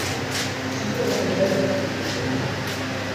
Tzemremt ad d-tallemt.